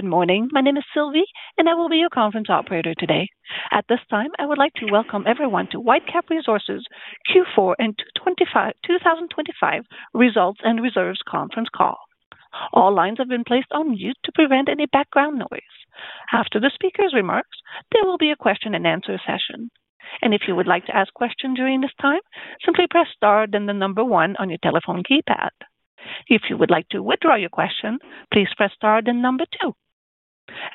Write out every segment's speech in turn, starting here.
Good morning. My name is Sylvie, I will be your conference operator today. At this time, I would like to welcome everyone to Whitecap Resources Q4 2025 Results and Reserves Conference Call. All lines have been placed on mute to prevent any background noise. After the speaker's remarks, there will be a question-and-answer session. If you would like to ask questions during this time, simply press star, then the one on your telephone keypad. If you would like to withdraw your question, please press star, then two.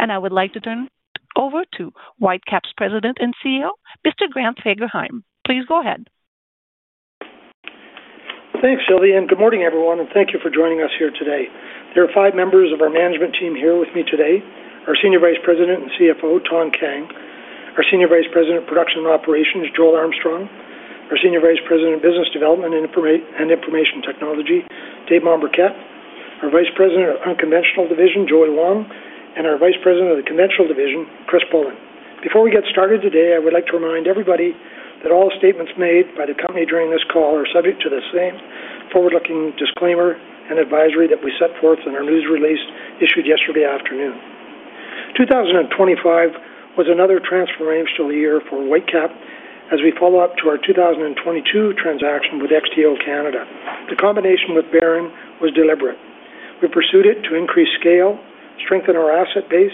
I would like to turn over to Whitecap's President and CEO, Mr. Grant Fagerheim. Please go ahead. Thanks, Sylvie, and good morning, everyone, and thank you for joining us here today. There are 5 members of our management team here with me today. Our Senior Vice President and CFO, Thanh Kang, our Senior Vice President of Production and Operations, Joel Armstrong, our Senior Vice President of Business Development and Information Technology, David Mombourquette, our Vice President of Unconventional Division, Joey Wong, and our Vice President of the Conventional Division, Chris Bullin. Before we get started today, I would like to remind everybody that all statements made by the company during this call are subject to the same forward-looking disclaimer and advisory that we set forth in our news release issued yesterday afternoon. 2025 was another transformational year for Whitecap as we follow up to our 2022 transaction with XTO Energy Canada. The combination with Veren Inc. was deliberate. We pursued it to increase scale, strengthen our asset base,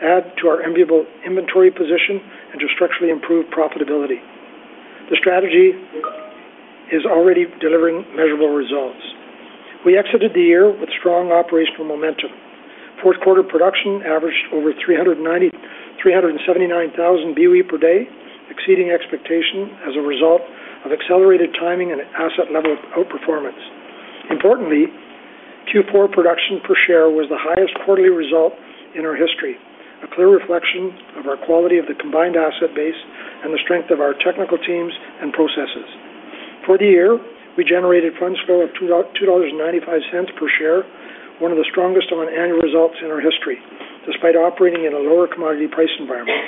add to our enviable inventory position, and to structurally improve profitability. The strategy is already delivering measurable results. We exited the year with strong operational momentum. Q4 production averaged over 379,000 BOE per day, exceeding expectation as a result of accelerated timing and asset level outperformance. Importantly, Q4 production per share was the highest quarterly result in our history, a clear reflection of our quality of the combined asset base and the strength of our technical teams and processes. For the year, we generated funds flow of 2.95 dollars per share, one of the strongest on annual results in our history, despite operating in a lower commodity price environment.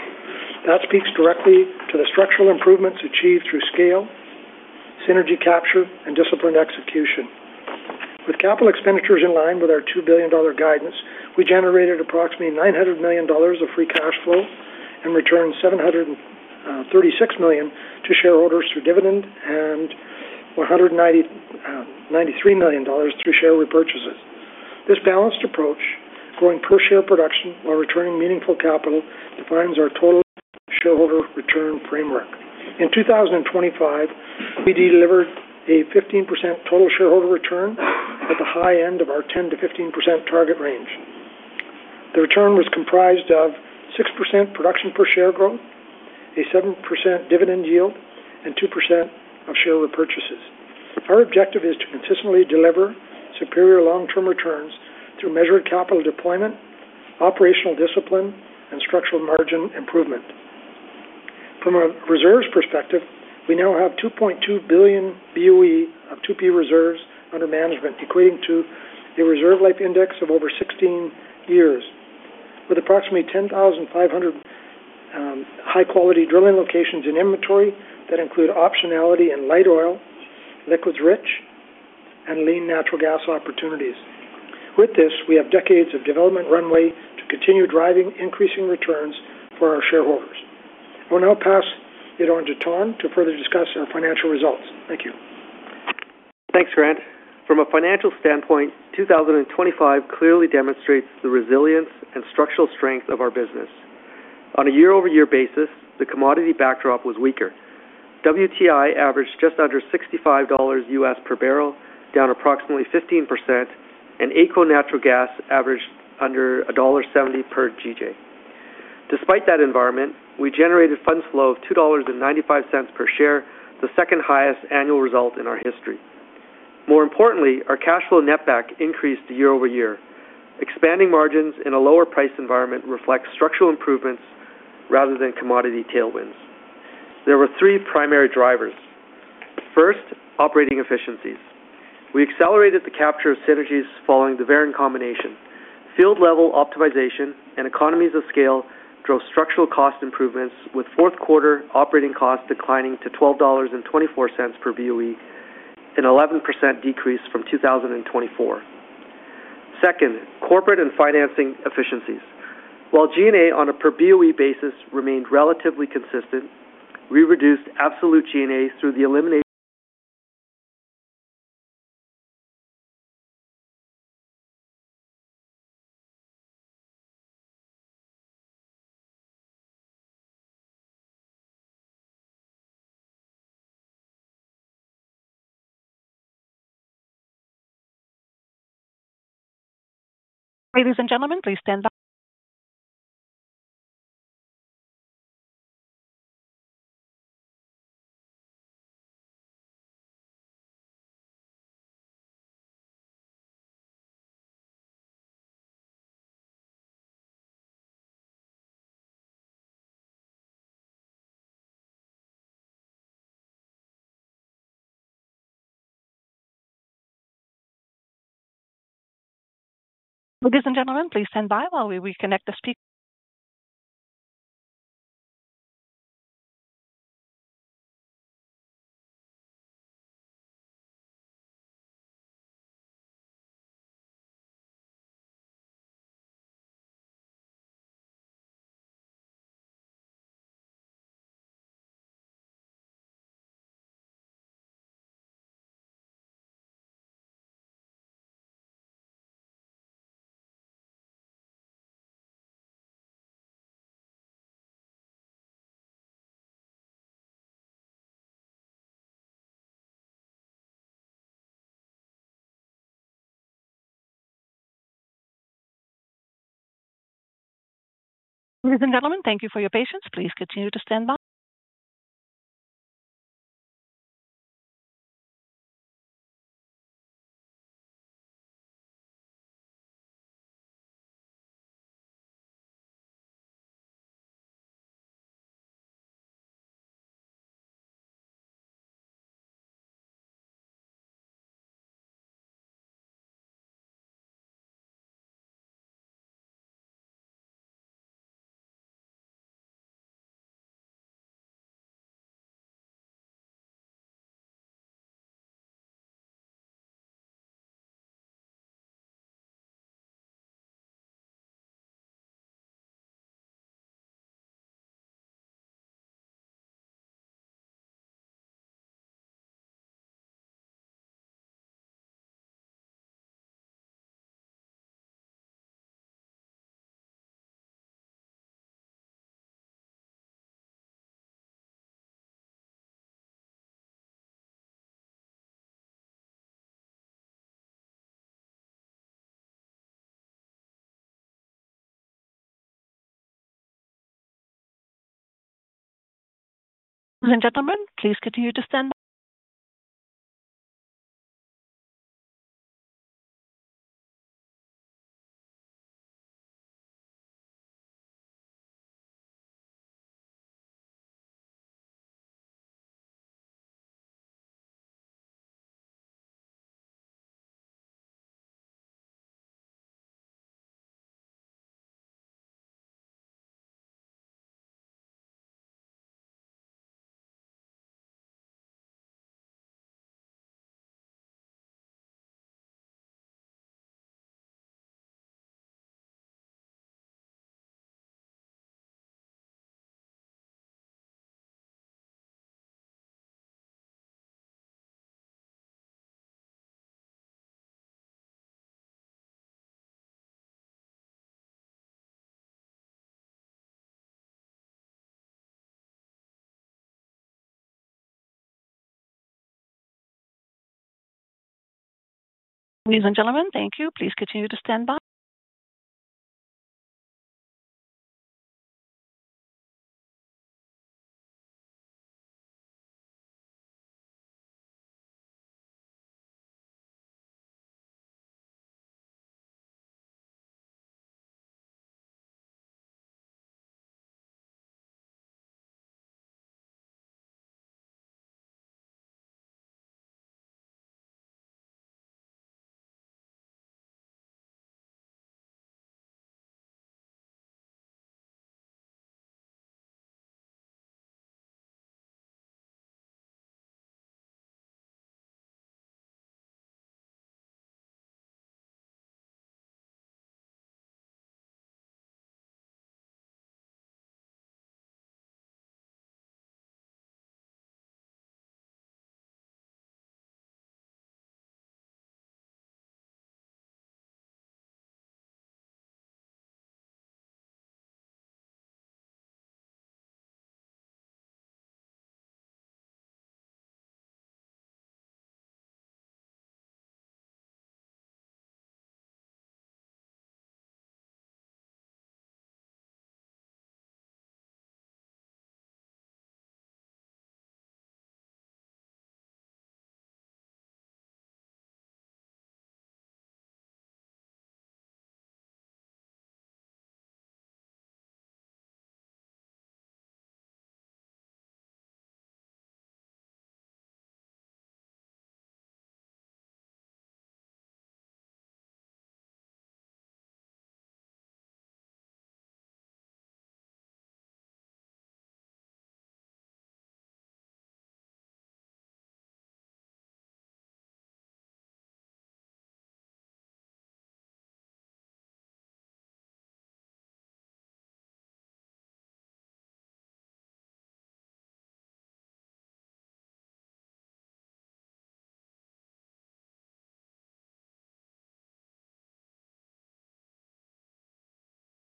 That speaks directly to the structural improvements achieved through scale, synergy capture, and disciplined execution. With capital expenditures in line with our 2 billion dollar guidance, we generated approximately 900 million dollars of free cash flow and returned 736 million to shareholders through dividend and 193 million dollars through share repurchases. This balanced approach, growing per share production while returning meaningful capital, defines our total shareholder return framework. In 2025, we delivered a 15% total shareholder return at the high end of our 10 to 15% target range. The return was comprised of 6% production per share growth, a 7% dividend yield, and 2% of share repurchases. Our objective is to consistently deliver superior long-term returns through measured capital deployment, operational discipline, and structural margin improvement. From a reserves perspective, we now have 2.2 billion BOE of 2P reserves under management, equating to a reserve life index of over 16 years, with approximately 10,500 high-quality drilling locations in inventory that include optionality and light oil, liquids rich, and lean natural gas opportunities. With this, we have decades of development runway to continue driving increasing returns for our shareholders. I will now pass it on to Ton to further discuss our financial results. Thank you. Thanks, Grant. From a financial standpoint, 2025 clearly demonstrates the resilience and structural strength of our business. On a year-over-year basis, the commodity backdrop was weaker. WTI averaged just under $65 US per barrel, down approximately 15%, and AECO natural gas averaged under dollar 1.70 per GJ. Despite that environment, we generated funds flow of 2.95 dollars per share, the second highest annual result in our history. More importantly, our cash flow netback increased year-over-year. Expanding margins in a lower price environment reflects structural improvements rather than commodity tailwinds. There were three primary drivers. First, operating efficiencies. We accelerated the capture of synergies following the Veren combination. Field-level optimization and economies of scale drove structural cost improvements, with Q4 operating costs declining to 12.24 dollars per BOE, an 11% decrease from 2024. Second, corporate and financing efficiencies. While G&A on a per BOE basis remained relatively consistent, we reduced absolute G&A through the elimination. Ladies and gentlemen, please stand by. Ladies and gentlemen, please stand by while we reconnect the speaker. Ladies and gentlemen, thank you for your patience. Please continue to stand by. Ladies and gentlemen, please continue to stand by.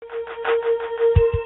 New wells averaged roughly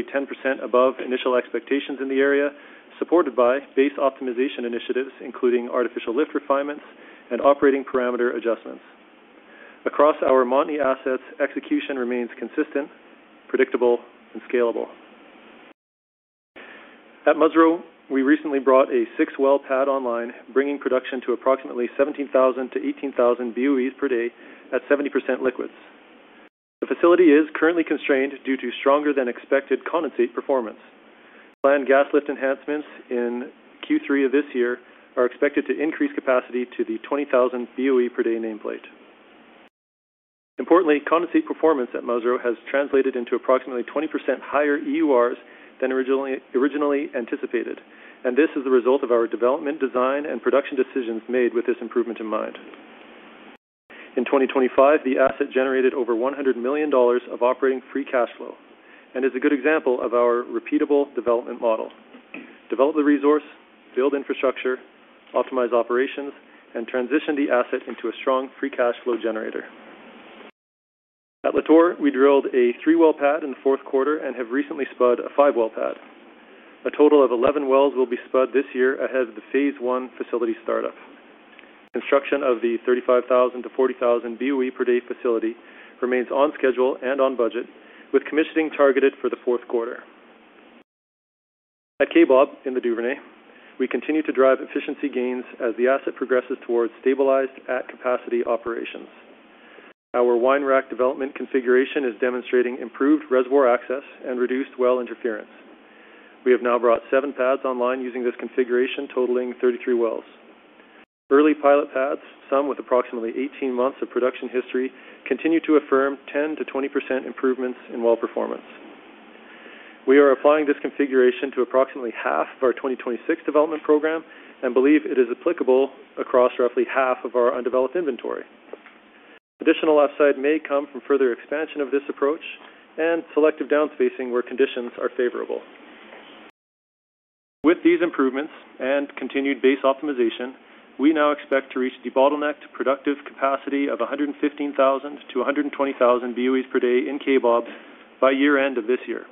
10% above initial expectations in the area, supported by base optimization initiatives, including artificial lift refinements and operating parameter adjustments. Across our Montney assets, execution remains consistent, predictable, and scalable. At Musreau, we recently brought a six-well pad online, bringing production to approximately 17,000-18,000 BOEs per day at 70% liquids. The facility is currently constrained due to stronger than expected condensate performance. Planned gas lift enhancements in Q3 of this year are expected to increase capacity to the 20,000 BOE per day nameplate. Importantly, condensate performance at Musreau has translated into approximately 20% higher EURs than originally anticipated. This is the result of our development, design, and production decisions made with this improvement in mind. In 2025, the asset generated over 100 million dollars of operating free cash flow and is a good example of our repeatable development model. Develop the resource, build infrastructure, optimize operations, and transition the asset into a strong free cash flow generator. At Lator, we drilled a 3-well pad in the Q4 and have recently spud a 5-well pad. A total of 11 wells will be spud this year ahead of the phase I facility startup. Construction of the 35,000-40,000 BOE per day facility remains on schedule and on budget, with commissioning targeted for the Q4. At Kaybob in the Duvernay, we continue to drive efficiency gains as the asset progresses towards stabilized at capacity operations. Our wine rack development configuration is demonstrating improved reservoir access and reduced well interference. We have now brought seven pads online using this configuration, totaling 33 wells. Early pilot pads, some with approximately 18 months of production history, continue to affirm 10 to 20% improvements in well performance. We are applying this configuration to approximately half of our 2026 development program and believe it is applicable across roughly half of our undeveloped inventory. Additional upside may come from further expansion of this approach and selective downspacing where conditions are favorable. With these improvements and continued base optimization, we now expect to reach debottlenecked productive capacity of 115,000-120,000 BOEs per day in Kaybob by year-end of this year,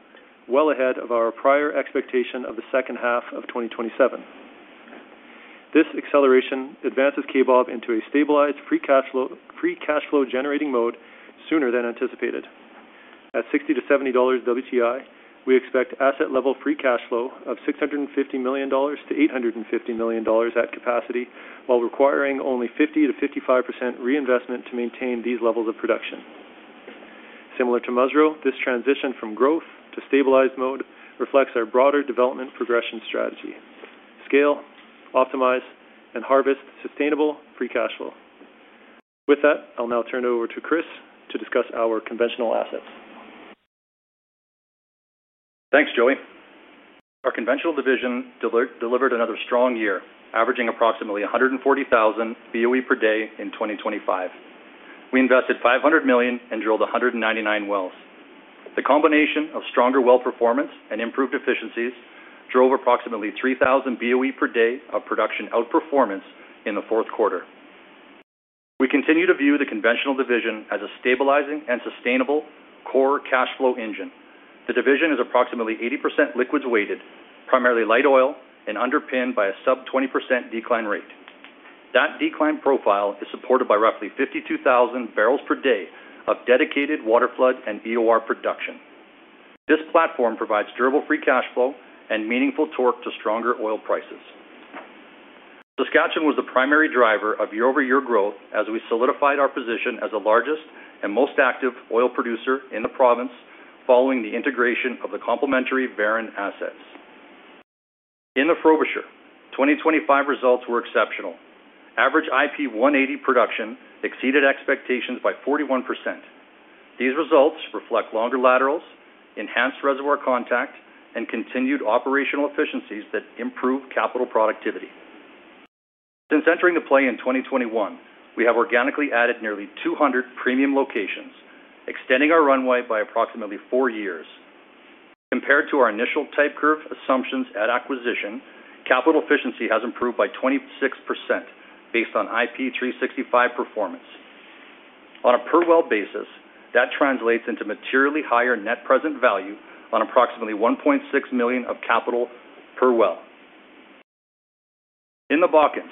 well ahead of our prior expectation of the second half of 2027. This acceleration advances Kaybob into a stabilized free cash flow generating mode sooner than anticipated. At $60-$70 WTI, we expect asset level free cash flow of $650 million-$850 million at capacity, while requiring only 50 to 55% reinvestment to maintain these levels of production. Similar to Musreau, this transition from growth to stabilized mode reflects our broader development progression strategy, scale, optimize, and harvest sustainable free cash flow. With that, I'll now turn it over to Chris to discuss our conventional assets. Thanks, Joey. Our conventional division delivered another strong year, averaging approximately 140,000 BOE per day in 2025. We invested $500 million and drilled 199 wells. The combination of stronger well performance and improved efficiencies drove approximately 3,000 BOE per day of production outperformance in the Q4. We continue to view the conventional division as a stabilizing and sustainable core cash flow engine. The division is approximately 80% liquids weighted, primarily light oil, and underpinned by a sub 20% decline rate. That decline profile is supported by roughly 52,000 barrels per day of dedicated waterflood and EOR production. This platform provides durable free cash flow and meaningful torque to stronger oil prices. Saskatchewan was the primary driver of year-over-year growth as we solidified our position as the largest and most active oil producer in the province, following the integration of the complementary Veren assets. In the Frobisher, 2025 results were exceptional. Average IP180 production exceeded expectations by 41%. These results reflect longer laterals, enhanced reservoir contact, and continued operational efficiencies that improve capital productivity. Since entering the play in 2021, we have organically added nearly 200 premium locations, extending our runway by approximately four years. Compared to our initial type curve assumptions at acquisition, capital efficiency has improved by 26% based on IP365 performance. On a per well basis, that translates into materially higher net present value on approximately 1.6 million of capital per well. In the Bakken,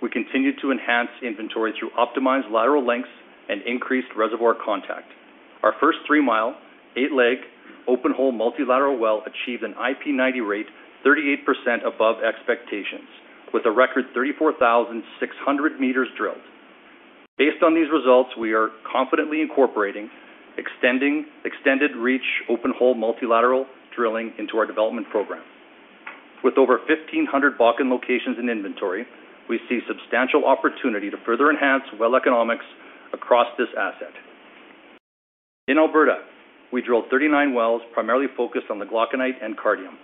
we continued to enhance inventory through optimized lateral lengths and increased reservoir contact. Our first three-mile, eight-leg, open hole multilateral well achieved an IP90 rate, 38% above expectations, with a record 34,600 meters drilled. Based on these results, we are confidently incorporating extended reach, open hole, multilateral drilling into our development program. With over 1,500 Bakken locations in inventory, we see substantial opportunity to further enhance well economics across this asset. In Alberta, we drilled 39 wells, primarily focused on the Glauconite and Cardium.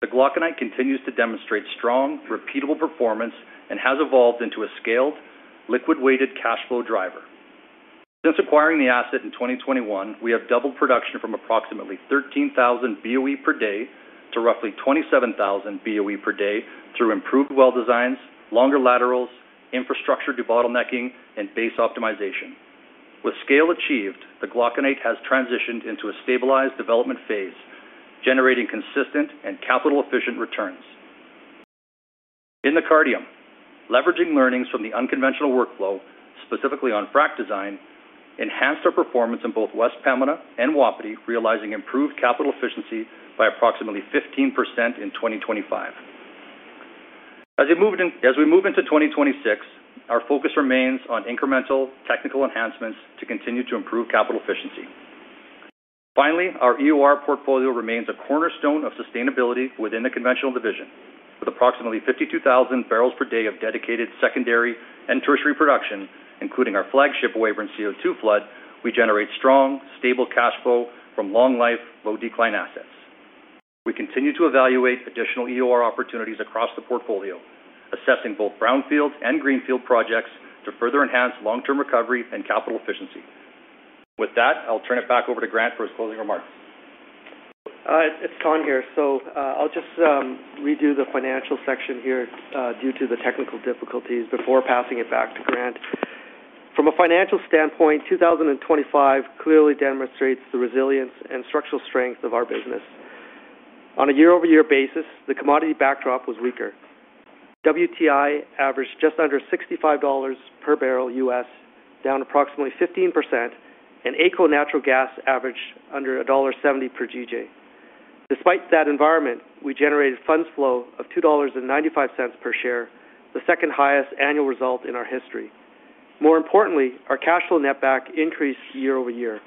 The Glauconite continues to demonstrate strong, repeatable performance and has evolved into a scaled, liquid-weighted cash flow driver. Since acquiring the asset in 2021, we have doubled production from approximately 13,000 BOE per day to roughly 27,000 BOE per day through improved well designs, longer laterals, infrastructure debottlenecking, and base optimization. With scale achieved, the Glauconite has transitioned into a stabilized development phase, generating consistent and capital-efficient returns. In the Cardium, leveraging learnings from the unconventional workflow, specifically on frac design, enhanced our performance in both West Pembina and Wapiti, realizing improved capital efficiency by approximately 15% in 2025. As we move into 2026, our focus remains on incremental technical enhancements to continue to improve capital efficiency. Finally, our EOR portfolio remains a cornerstone of sustainability within the conventional division, with approximately 52,000 barrels per day of dedicated secondary and tertiary production, including our flagship Weyburn CO2 flood, we generate strong, stable cash flow from long life, low decline assets. We continue to evaluate additional EOR opportunities across the portfolio, assessing both brownfield and greenfield projects to further enhance long-term recovery and capital efficiency. With that, I'll turn it back over to Grant for his closing remarks. It's Don here. I'll just redo the financial section here due to the technical difficulties before passing it back to Grant. From a financial standpoint, 2025 clearly demonstrates the resilience and structural strength of our business. On a year-over-year basis, the commodity backdrop was weaker. WTI averaged just under $65 per barrel US, down approximately 15%, and AECO natural gas averaged under dollar 1.70 per GJ. Despite that environment, we generated funds flow of 2.95 dollars per share, the second highest annual result in our history. More importantly, our cash flow netback increased year-over-year.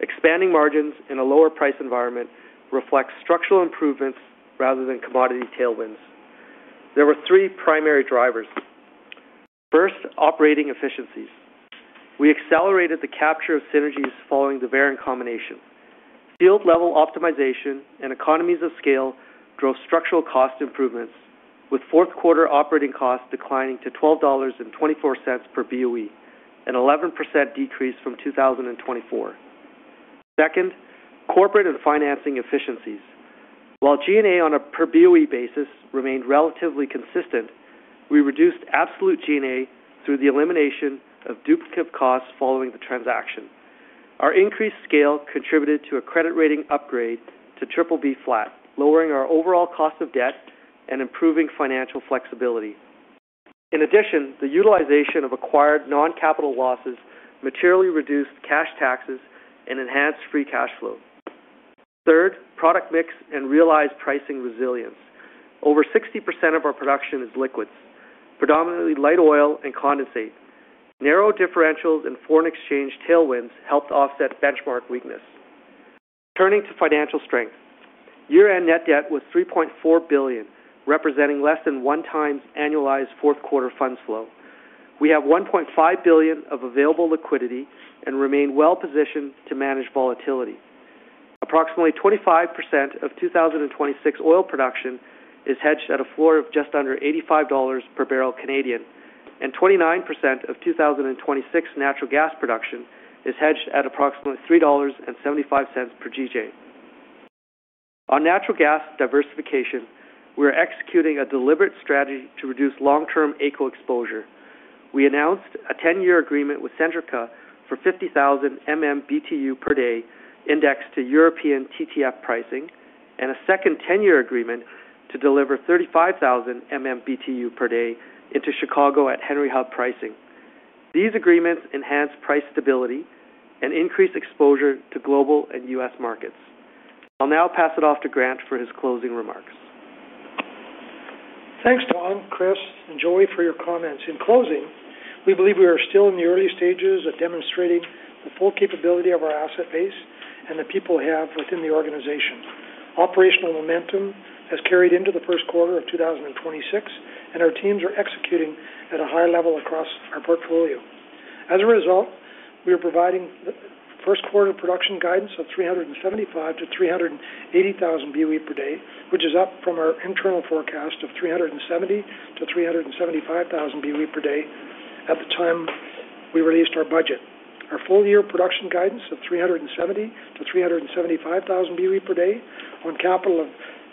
Expanding margins in a lower price environment reflects structural improvements rather than commodity tailwinds. There were three primary drivers. First, operating efficiencies. We accelerated the capture of synergies following the Veren combination. Field-level optimization and economies of scale drove structural cost improvements, with Q4 operating costs declining to $12.24 per BOE, an 11% decrease from 2024. Second, corporate and financing efficiencies. While G&A on a per BOE basis remained relatively consistent, we reduced absolute G&A through the elimination of duplicative costs following the transaction. Our increased scale contributed to a credit rating upgrade to BBB flat, lowering our overall cost of debt and improving financial flexibility. In addition, the utilization of acquired non-capital losses materially reduced cash taxes and enhanced free cash flow. Third, product mix and realized pricing resilience. Over 60% of our production is liquids, predominantly light oil and condensate. Narrow differentials and foreign exchange tailwinds helped offset benchmark weakness. Turning to financial strength, year-end net debt was 3.4 billion, representing less than 1x annualized Q4 funds flow. We have 1.5 billion of available liquidity and remain well-positioned to manage volatility. Approximately 25% of 2026 oil production is hedged at a floor of just under CAD 85 per barrel, and 29% of 2026 natural gas production is hedged at approximately $3.75 per GJ. On natural gas diversification, we are executing a deliberate strategy to reduce long-term AECO exposure. We announced a 10-year agreement with Centrica for 50,000 MMBtu per day, indexed to European TTF pricing, and a second 10-year agreement to deliver 35,000 MMBtu per day into Chicago at Henry Hub pricing. These agreements enhance price stability and increase exposure to global and U.S. markets. I'll now pass it off to Grant for his closing remarks. Thanks, Don, Chris, and Joey, for your comments. In closing, we believe we are still in the early stages of demonstrating the full capability of our asset base and the people we have within the organization. Operational momentum has carried into the Q1 of 2026, and our teams are executing at a high level across our portfolio. As a result, we are providing the Q1 production guidance of 375,000-380,000 BOE per day, which is up from our internal forecast of 370,000-375,000 BOE per day at the time we released our budget. Our full-year production guidance of 370,000-375,000 BOE per day on capital of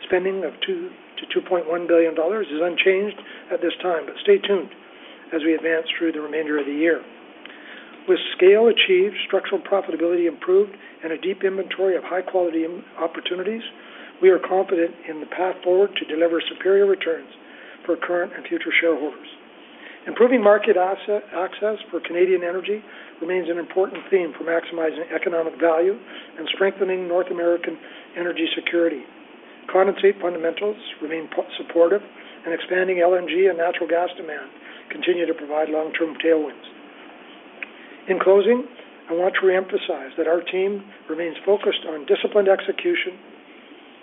spending of 2 billion-2.1 billion dollars is unchanged at this time. Stay tuned as we advance through the remainder of the year. With scale achieved, structural profitability improved, and a deep inventory of high-quality opportunities, we are confident in the path forward to deliver superior returns for current and future shareholders. Improving market access for Canadian energy remains an important theme for maximizing economic value and strengthening North American energy security. Condensate fundamentals remain supportive, and expanding LNG and natural gas demand continue to provide long-term tailwinds. In closing, I want to reemphasize that our team remains focused on disciplined execution,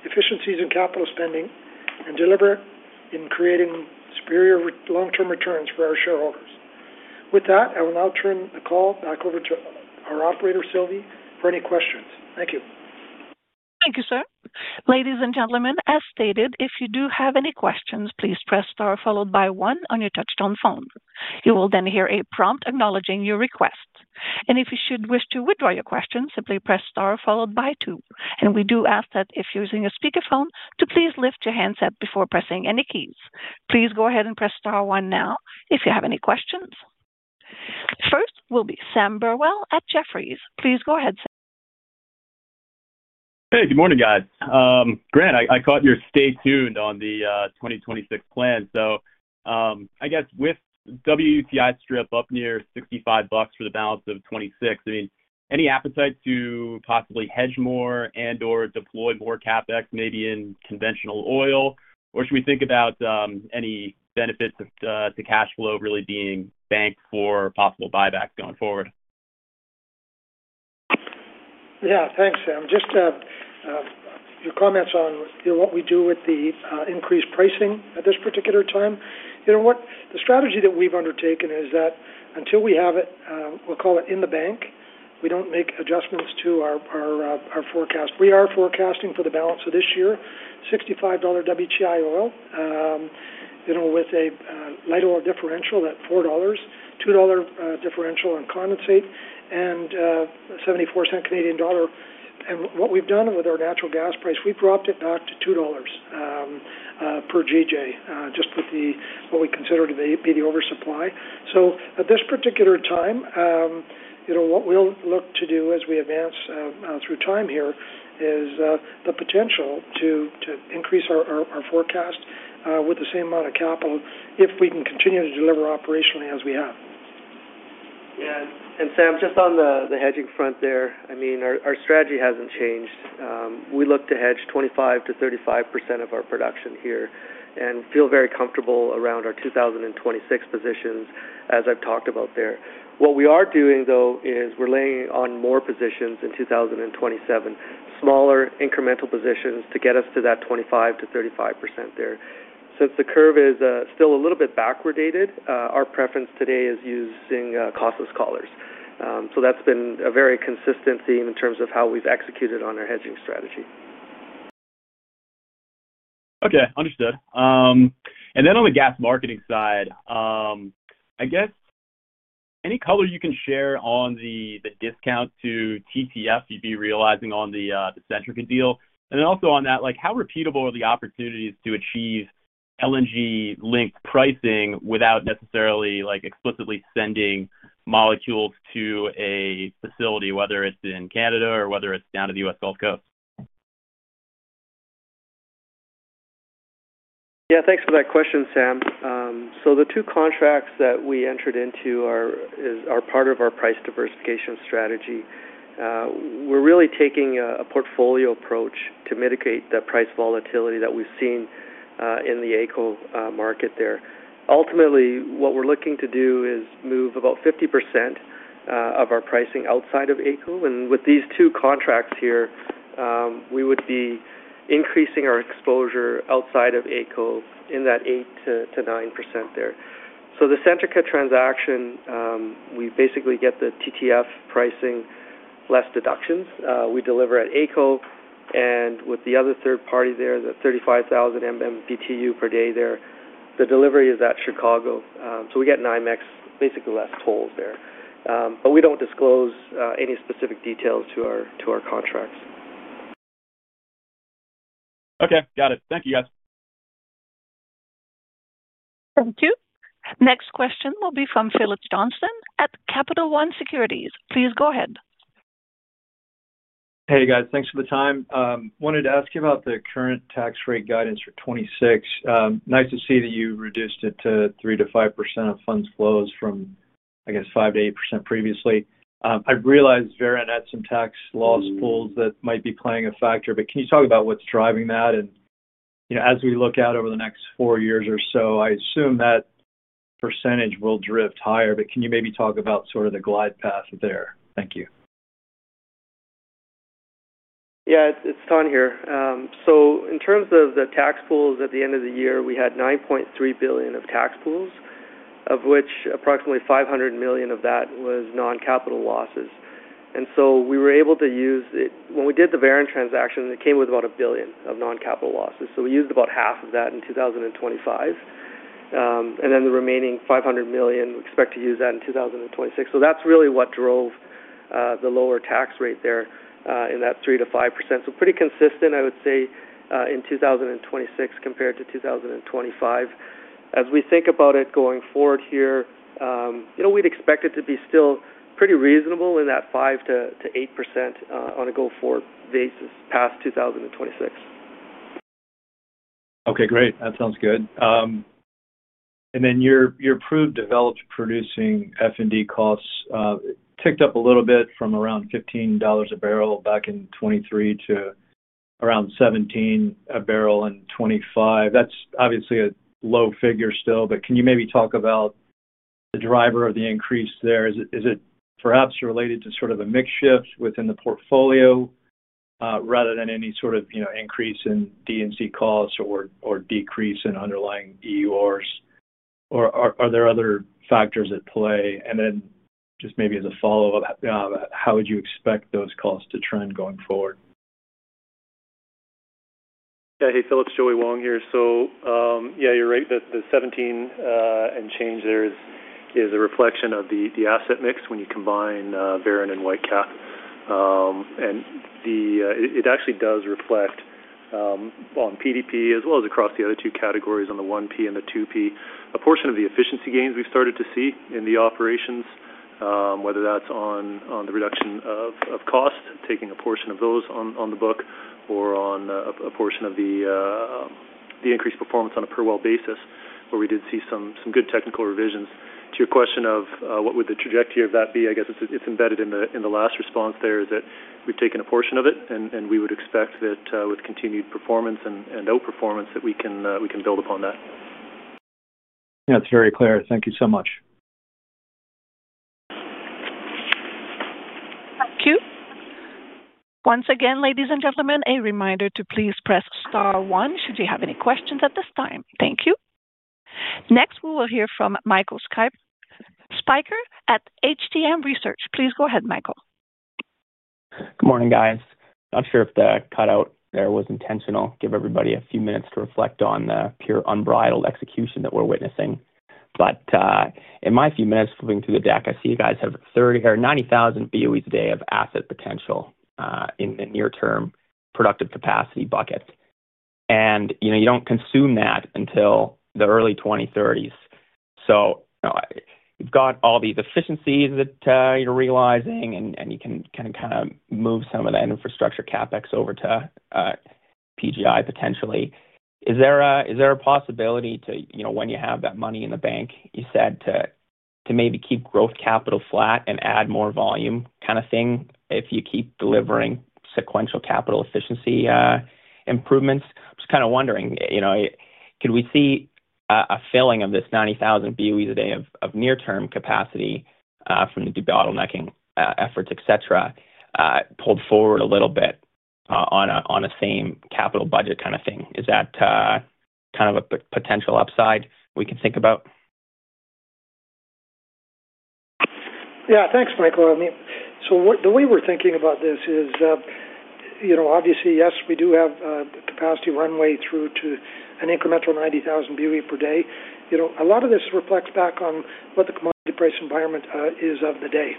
efficiencies in capital spending, and deliberate in creating superior long-term returns for our shareholders. I will now turn the call back over to our operator, Sylvie, for any questions. Thank you. Thank you, sir. Ladies and gentlemen, as stated, if you do have any questions, please press star followed by one on your touchtone phone. You will then hear a prompt acknowledging your request, and if you should wish to withdraw your question, simply press star followed by two. We do ask that if you're using a speakerphone, to please lift your handset before pressing any keys. Please go ahead and press star one now if you have any questions. First will be Sam Burwell at Jefferies. Please go ahead, Sam. Hey, good morning, guys. Grant, I caught your stay tuned on the 2026 plan. I guess with WTI strip up near $65 for the balance of 2026, I mean, any appetite to possibly hedge more and or deploy more CapEx, maybe in conventional oil? Should we think about any benefits of the cash flow really being banked for possible buyback going forward? Yeah. Thanks, Sam. Just, your comments on, you know, what we do with the increased pricing at this particular time. You know what? The strategy that we've undertaken is that until we have it, we'll call it in the bank, we don't make adjustments to our forecast. We are forecasting for the balance of this year, 65 dollar WTI oil, you know, with a light oil differential at 4 dollars, 2 dollar differential on condensate and 0.74 Canadian dollar. What we've done with our natural gas price, we've dropped it back to 2 dollars per GJ, just with the, what we consider to be the oversupply. At this particular time, you know, what we'll look to do as we advance through time here is the potential to increase our forecast with the same amount of capital, if we can continue to deliver operationally as we have. Yeah. Sam, just on the hedging front there, I mean, our strategy hasn't changed. We look to hedge 25 to 35% of our production here and feel very comfortable around our 2026 positions, as I've talked about there. We are doing, though, is we're laying on more positions in 2027, smaller incremental positions to get us to that 25 to 35% there. The curve is still a little bit backwardated, our preference today is using costless collars. That's been a very consistent theme in terms of how we've executed on our hedging strategy. Okay, understood. On the gas marketing side, I guess any color you can share on the discount to TTF, you'd be realizing on the Centrica deal? On that, how repeatable are the opportunities to achieve LNG-linked pricing without necessarily, explicitly sending molecules to a facility, whether it's in Canada or whether it's down to the U.S. Gulf Coast? Yeah, thanks for that question, Sam. The two contracts that we entered into are part of our price diversification strategy. We're really taking a portfolio approach to mitigate the price volatility that we've seen in the AECO market there. Ultimately, what we're looking to do is move about 50% of our pricing outside of AECO, with these two contracts here, we would be increasing our exposure outside of AECO in that 8 to 9% there. The Centrica transaction, we basically get the TTF pricing, less deductions. We deliver at AECO, with the other third party there, the 35,000 MMBtu per day there, the delivery is at Chicago. We get an NIMEX, basically less tolls there. We don't disclose any specific details to our contracts. Okay. Got it. Thank you, guys. Thank you. Next question will be from Phillips Johnston at Capital One Securities. Please go ahead. Hey, guys. Thanks for the time. wanted to ask you about the current tax rate guidance for 2026. nice to see that you reduced it to 3 to 5% of funds flow from, I guess, 5 to 8% previously. I've realized Veren had some tax loss pools that might be playing a factor, but can you talk about what's driving that? you know, as we look out over the next four years or so, I assume that percentage will drift higher, but can you maybe talk about sort of the glide path there? Thank you. Yeah, it's Don here. In terms of the tax pools, at the end of the year, we had 9.3 billion of tax pools, of which approximately 500 million of that was non-capital losses. We were able to use it when we did the Veren transaction, it came with about 1 billion of non-capital losses. We used about half of that in 2025. The remaining 500 million, we expect to use that in 2026. That's really what drove the lower tax rate there, in that 3 to 5%. Pretty consistent, I would say, in 2026 compared to 2025. As we think about it going forward here, you know, we'd expect it to be still pretty reasonable in that 5 to 8% on a go-forward basis, past 2026. Okay, great. That sounds good. Your approved developed producing F&D costs ticked up a little bit from around 15 dollars a barrel back in 2023 to around 17 a barrel in 2025. That's obviously a low figure still, can you maybe talk about the driver of the increase there? Is it perhaps related to sort of a mix shift within the portfolio, rather than any sort of, you know, increase in D&C costs or decrease in underlying EORs? Are there other factors at play? Just maybe as a follow-up, how would you expect those costs to trend going forward? Yeah. Hey, Philip, Joey Wong here. Yeah, you're right. The 17 and change there is a reflection of the asset mix when you combine Veren and Whitecap Resources. It actually does reflect.... on PDP as well as across the other two categories on the 1P and the 2P. A portion of the efficiency gains we've started to see in the operations, whether that's on the reduction of cost, taking a portion of those on the book or on a portion of the increased performance on a per well basis, where we did see some good technical revisions. To your question of what would the trajectory of that be? I guess it's embedded in the last response there, that we've taken a portion of it, and we would expect that with continued performance and outperformance, that we can build upon that. That's very clear. Thank you so much. Thank you. Once again, ladies and gentlemen, a reminder to please press star 1 should you have any questions at this time. Thank you. Next, we will hear from Michael Lazar at HTM Research. Please go ahead, Michael. Good morning, guys. Not sure if the cutout there was intentional. Give everybody a few minutes to reflect on the pure, unbridled execution that we're witnessing. In my few minutes flipping through the deck, I see you guys have 30,000 or 90,000 BOEs a day of asset potential in the near term, productive capacity bucket. You know, you don't consume that until the early 2030s. You know, you've got all these efficiencies that you're realizing, and you can kind of move some of that infrastructure CapEx over to PGI, potentially. Is there a possibility to, you know, when you have that money in the bank, you said to maybe keep growth capital flat and add more volume kind of thing, if you keep delivering sequential capital efficiency improvements? I'm just kind of wondering, you know, could we see a filling of this 90,000 BOE a day of near-term capacity, from the debottlenecking efforts, et cetera, pulled forward a little bit, on a, on a same capital budget kind of thing? Is that, kind of a potential upside we can think about? Yeah. Thanks, Michael Lazar. I mean, the way we're thinking about this is, you know, obviously, yes, we do have the capacity runway through to an incremental 90,000 BOE per day. You know, a lot of this reflects back on what the commodity price environment is of the day.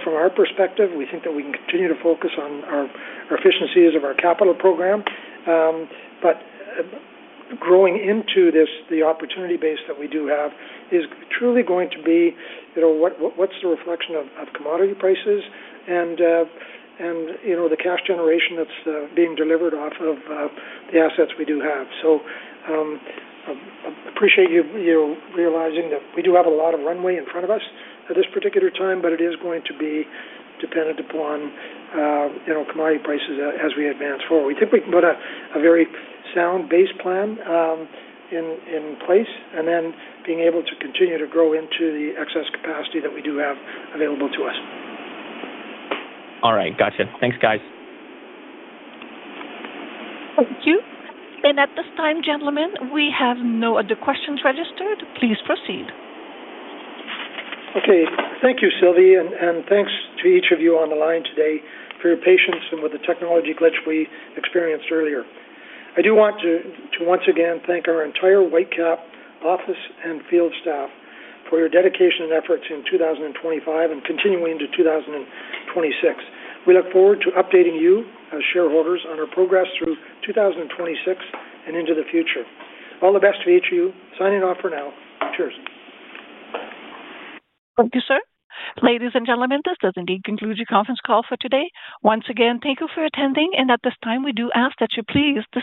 From our perspective, we think that we can continue to focus on our efficiencies of our capital program. Growing into this, the opportunity base that we do have, is truly going to be, you know, what's the reflection of commodity prices and, you know, the cash generation that's being delivered off of the assets we do have. Appreciate you realizing that we do have a lot of runway in front of us at this particular time, but it is going to be dependent upon, you know, commodity prices as we advance forward. We think we can put a very sound base plan in place, being able to continue to grow into the excess capacity that we do have available to us. All right. Gotcha. Thanks, guys. Thank you. At this time, gentlemen, we have no other questions registered. Please proceed. Okay. Thank you, Sylvie, and thanks to each of you on the line today for your patience and with the technology glitch we experienced earlier. I do want to once again thank our entire Whitecap office and field staff for your dedication and efforts in 2025 and continuing into 2026. We look forward to updating you, our shareholders, on our progress through 2026 and into the future. All the best to each of you. Signing off for now. Cheers. Thank you, sir. Ladies and gentlemen, this does indeed conclude your conference call for today. Once again, thank you for attending, and at this time, we do ask that you please disconnect.